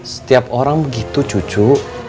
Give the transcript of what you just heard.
setiap orang begitu cucu